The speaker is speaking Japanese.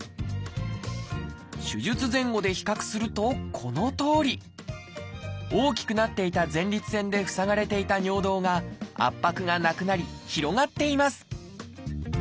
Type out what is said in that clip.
手術前後で比較するとこのとおり。大きくなっていた前立腺で塞がれていた尿道が圧迫がなくなり広がっています。